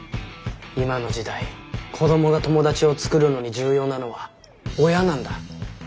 今の時代子どもが友達を作るのに重要なのは親なんだ。